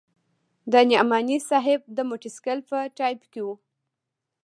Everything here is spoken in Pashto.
د نعماني صاحب د موټرسایکل په ټایپ کې وه.